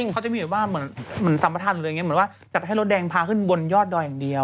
เขาจะมีความแสดงว่าจะได้รถแดงพาขึ้นบนยอดดออย่างเดียว